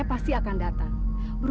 kebetulan bu yanti kita ketemu